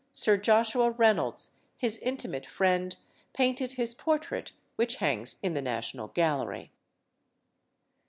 Sir Joshua Reynolds, his intimate friend, painted his portrait, which hangs in the National Gallery.